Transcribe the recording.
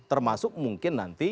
termasuk mungkin nanti